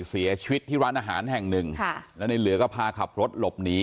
เสียชีวิตที่ร้านอาหารแห่งหนึ่งค่ะแล้วในเหลือก็พาขับรถหลบหนี